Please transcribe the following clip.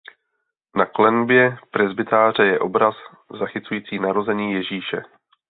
Na klenbě presbytáře je obraz zachycující narození Ježíše.